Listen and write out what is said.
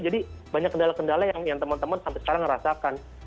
jadi banyak kendala kendala yang teman teman sampai sekarang merasakan